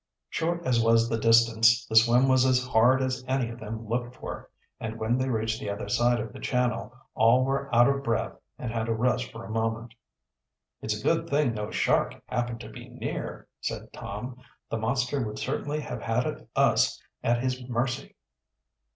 Short as was the distance, the swim was as hard as any of them looked for, and when they reached the other side of the channel all were out of breath and had to rest for a moment. "It's a good thing no shark happened to be near," said Tom. "The monster would certainly have had us at his mercy."